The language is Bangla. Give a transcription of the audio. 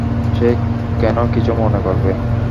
সে কেন কিছু মনে করবে?